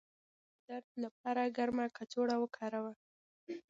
د رحم د درد لپاره ګرمه کڅوړه وکاروئ